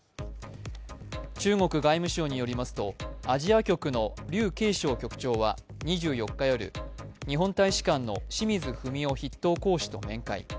中国外務省によりますとアジア局の劉勁松局長は２４日夜、日本大使館の志水史雄筆頭公使と面会。